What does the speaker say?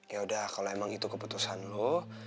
yaudah kalo emang itu keputusan lo